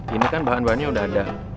ini kan bahan bahannya udah ada